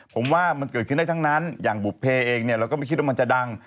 ผมว่ามันเกิดขึ้นได้ทั้งนั้นอย่างบุภเพเองเนี่ยเราก็ไม่คิดว่ามันจะดัง